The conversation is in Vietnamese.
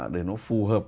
để nó phù hợp